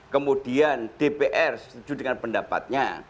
kemudian dpr setuju dengan pendapatnya